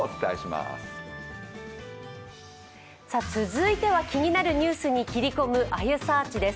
続いては気になるニュースに切り込む「あゆサーチ」です。